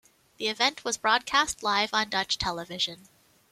The event was broadcast live on Dutch television.